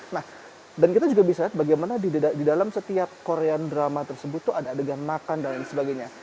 nah dan kita juga bisa lihat bagaimana di dalam setiap korean drama tersebut tuh ada adegan makan dan lain sebagainya